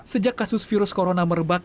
sejak kasus virus corona merebak